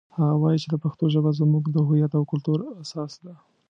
هغه وایي چې د پښتو ژبه زموږ د هویت او کلتور اساس ده